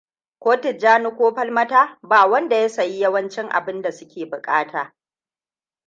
Ko Tijjani ko Falmata ba wanda ya sayi yawancin abinda suke bukata.